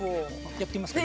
やってみますか？